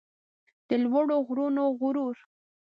د لوړو غرونو غرور